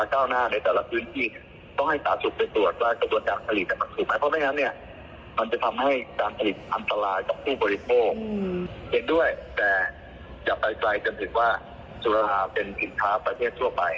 เห็นด้วยแต่จะไปใจจนถึงว่าสุราเป็นขิตค้าประเทศทั่วไป